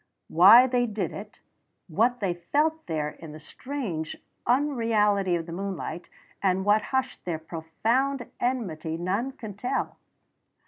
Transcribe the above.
Why they did it, what they felt there in the strange unreality of the moonlight, and what hushed their profound enmity, none can tell.